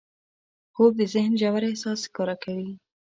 خوب د ذهن ژور احساس ښکاره کوي